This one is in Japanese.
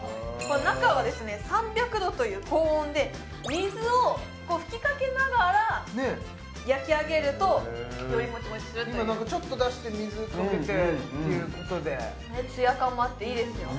中は３００度という高温で水を吹きかけながら焼き上げるとよりモチモチするという今なんかちょっと出して水かけてっていうことでツヤ感もあっていいですよね